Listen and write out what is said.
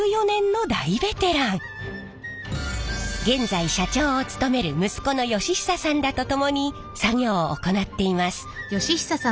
現在社長を務める息子の義久さんらと共に作業を行っています。